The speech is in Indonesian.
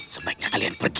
sebaiknya kalian pergi